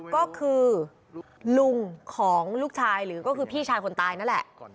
ก็คือลุงของลูกชายหรือก็คือพี่ชายคนตายนั่นแหละ